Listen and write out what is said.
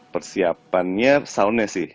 persiapannya soundnya sih